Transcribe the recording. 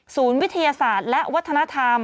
วิทยาศาสตร์และวัฒนธรรม